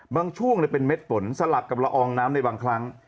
ช่วงเป็นเม็ดฝนสลับกับละอองน้ำในบางครั้ง